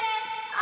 あ！